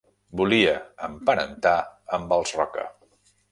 Volia emparentar amb els Roca.